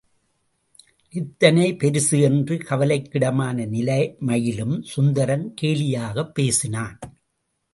எத்தனை பெரிசு என்று கவலைக்கிடமான நிலைமையிலும் சுந்தரம் கேலியாகப் பேசினான்.